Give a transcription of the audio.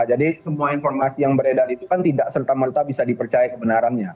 jadi semua informasi yang beredar itu kan tidak serta merta bisa dipercaya kebenarannya